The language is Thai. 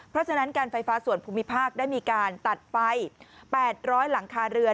เพราะฉะนั้นการไฟฟ้าส่วนภูมิภาคได้มีการตัดไฟ๘๐๐หลังคาเรือน